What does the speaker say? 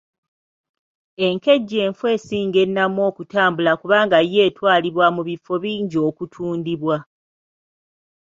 Enkejje enfu esinga ennamu okutambula kubanga yo etwalibwa mu bifo bingi okutundibwa.